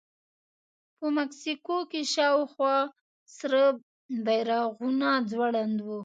په مسکو کې شاوخوا سره بیرغونه ځوړند وو